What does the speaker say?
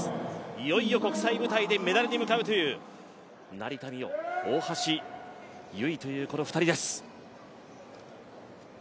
いよいよ国際舞台でメダルに向かうという成田実生、大橋悠依というこの２人です。